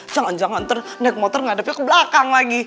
jangan jangan nanti naik motor ngadepnya ke belakang lagi